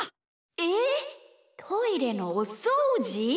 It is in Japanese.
えっトイレのおそうじ！？